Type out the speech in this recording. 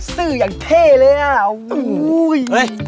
ซื่ออย่างเท่เลยอ่ะอุ๊ย